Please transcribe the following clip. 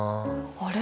あれ？